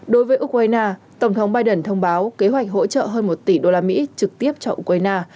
đối với ukraine tổng thống biden thông báo kế hoạch hỗ trợ hơn một tỷ đô la mỹ trực tiếp cho ukraine